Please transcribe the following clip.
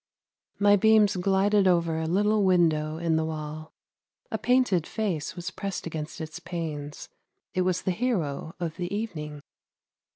My beams glided over a little window in the wall. A painted face was pressed against its panes; it was the hero of the evening.